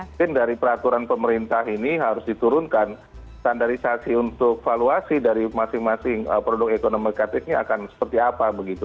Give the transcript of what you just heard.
mungkin dari peraturan pemerintah ini harus diturunkan standarisasi untuk valuasi dari masing masing produk ekonomi kreatif ini akan seperti apa begitu